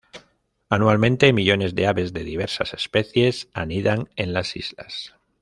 Anualmente millones de aves de diversas especies anidan en las islas.